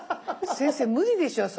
先生無理でしょそれ。